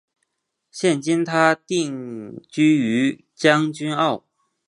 现今她定居于将军澳。